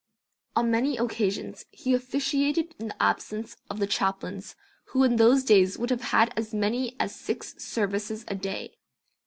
On many occasions he officiated in the absence of the chaplains who in those days would have as many as six services a day.